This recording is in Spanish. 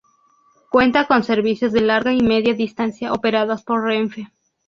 Cuenta con servicios de larga y media distancia operados por Renfe.